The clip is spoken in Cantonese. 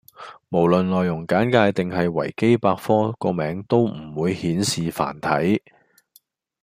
無論內容簡介定係維基百科個名都唔會顯示繁體